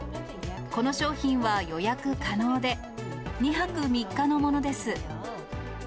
この商品は予約可能で、２泊３日のものです。